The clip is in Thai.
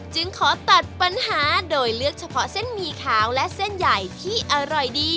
จึงขอตัดปัญหาโดยเลือกเฉพาะเส้นหมี่ขาวและเส้นใหญ่ที่อร่อยดี